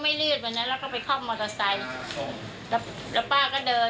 อ่ะไม่มีทะเบียนรถทั้งสองท่านเลย